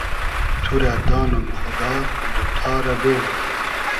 تو رۂ دانوم خودا دوتتا رۂ بېلو